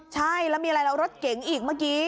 ใช่แล้วมีอะไรแล้วรถเก๋งอีกเมื่อกี้